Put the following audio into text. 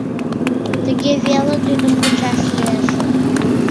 Тыге веле тудым кучаш лиеш.